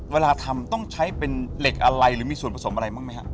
เวลาทำต้องใช้เป็นเหล็กอะไรหรือมีส่วนผสมอะไรบ้างไหมครับ